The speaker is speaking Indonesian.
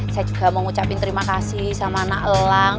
saya juga mau ucapin terima kasih sama nak elang